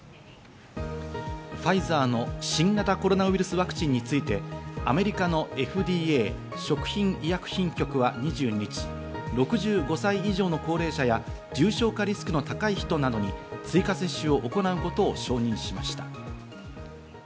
ファイザーの新型コロナウイルスワクチンについて、アメリカのＦＤＡ＝食品医薬品局は２２日、６５歳以上の高齢者や重症化リスクの高い人などに追加接種を行うことを承認しました。